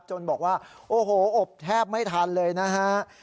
บอกว่าโอ้โหอบแทบไม่ทันเลยนะฮะ